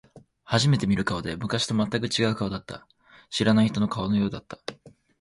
初めて見る顔で、昔と全く違う顔だった。知らない人の顔のようだった。